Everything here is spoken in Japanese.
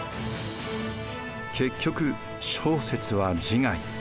結局正雪は自害。